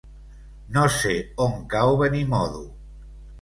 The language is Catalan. No sé on cau Benimodo.